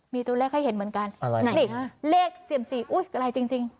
มีตัวเลขให้เห็นเหมือนกันอะไรนี่เลขเสี่ยมสี่อุ้ยอะไรจริง